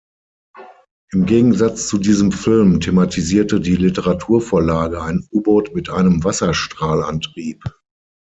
Im Gegensatz zu diesem Film thematisierte die Literaturvorlage ein U-Boot mit einem Wasserstrahlantrieb.